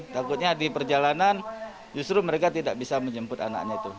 takutnya di perjalanan justru mereka tidak bisa menjemput anaknya itu